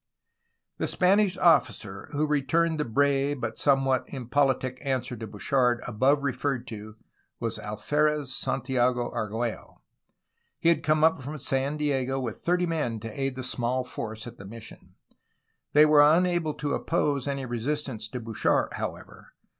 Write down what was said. The Spanish officer who returned the brave but somewhat impolitic answer to Bouchard above referred to was Alferez Santiago Argiiello. He had come up from San Diego with thirty men to aid the small force at the mission. They were unable to oppose any resistance to Bouchard, however.